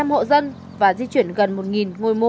một trăm linh hộ dân và di chuyển gần một ngôi mộ